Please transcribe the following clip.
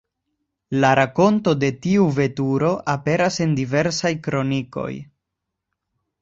La rakonto de tiu veturo aperas en diversaj kronikoj.